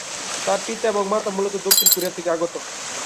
তার পিতা এবং মাতা মূলত দক্ষিণ কোরিয়া থেকে আগত।